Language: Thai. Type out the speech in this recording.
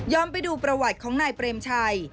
ไปดูประวัติของนายเปรมชัย